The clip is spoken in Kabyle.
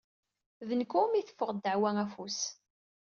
D nekk umi teffeɣ ddeɛwa afus.